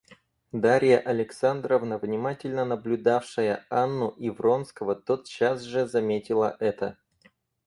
Дарья Александровна, внимательно наблюдавшая Анну и Вронского, тотчас же заметила это.